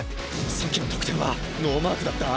さっきの得点はノーマークだった